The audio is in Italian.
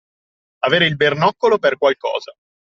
Avere il bernoccolo per qualcosa.